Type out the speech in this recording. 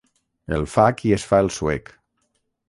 El fa qui es fa el suec.